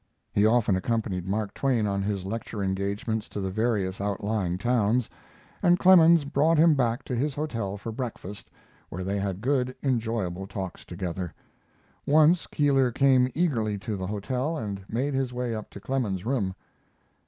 He often accompanied Mark Twain on his lecture engagements to the various outlying towns, and Clemens brought him back to his hotel for breakfast, where they had good, enjoyable talks together. Once Keeler came eagerly to the hotel and made his way up to Clemens's room.